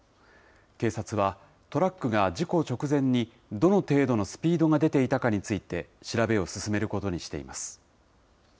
警察は、トラックが事故直前にどの程度のスピードが出ていたかについて、調べを進めることにしています。